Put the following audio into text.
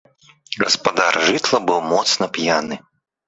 Гаспадар жытла быў моцна п'яны.